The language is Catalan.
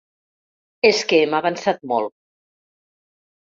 És que hem avançat molt!